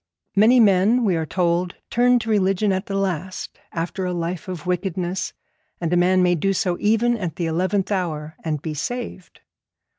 Many men, we are told, turn to religion at the last after a life of wickedness, and a man may do so even at the eleventh hour and be saved.